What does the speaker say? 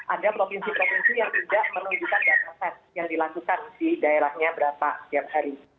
ada provinsi provinsi yang tidak menunjukkan dana tes yang dilakukan di daerahnya berapa setiap hari